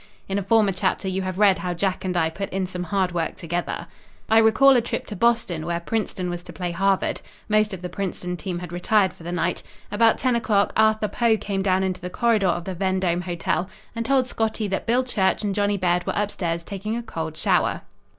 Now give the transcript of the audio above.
In a former chapter you have read how Jack and I put in some hard work together. I recall a trip to Boston, where Princeton was to play Harvard. Most of the Princeton team had retired for the night. About ten o'clock Arthur Poe came down into the corridor of the Vendome Hotel and told "Scottie" that Bill Church and Johnny Baird were upstairs taking a cold shower.